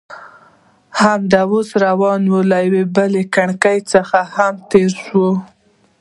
همداسې روان وو، له یوې بلې کړکۍ څخه هم تېر شوو.